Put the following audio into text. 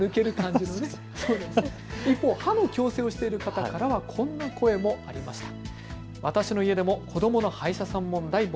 一方、歯の矯正をしている方からはこんな声もありました。